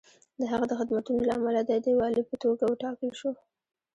د هغه د خدمتونو له امله دی د والي په توګه وټاکل شو.